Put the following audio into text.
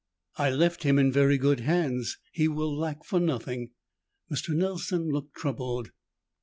"I left him in very good hands. He will lack for nothing." Mr. Nelson looked troubled.